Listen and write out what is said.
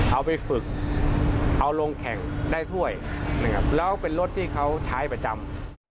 เอาไปฝึกเอาลงแข่งได้ถ้วยนะครับแล้วเป็นรถที่เขาใช้ประจำ